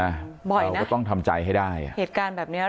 ใช่ไหมบ่อยนะเราก็ต้องทำใจให้ได้เหตุการณ์แบบเนี้ย